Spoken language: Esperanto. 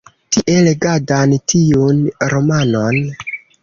Tie legadan tiun romanon.